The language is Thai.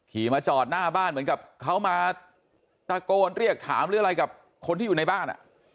ขี่มาจอดหน้าบ้านเหมือนกับเขามาตะโกนเรียกถามหรืออะไรกับคนที่อยู่ในบ้าน